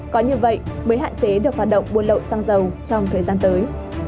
có như vậy mới hạn chế được hoạt động buôn lậu xăng dầu trong thời gian tới